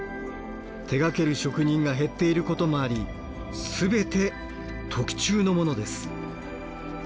手がける職人が減っていることもあり全て特注のものです。